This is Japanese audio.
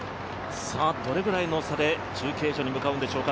どれぐらいの差で中継所に向かうのでしょうか。